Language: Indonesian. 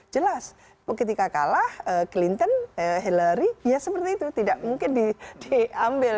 jelas ketika kalah clinton hillary ya seperti itu tidak mungkin diambil